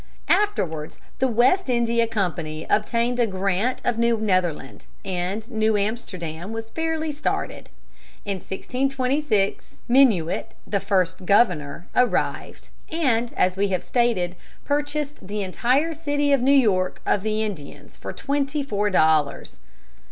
Afterwards the West India Company obtained a grant of New Netherland, and New Amsterdam was fairly started. In 1626, Minuit, the first governor, arrived, and, as we have stated, purchased the entire city of New York of the Indians for twenty four dollars.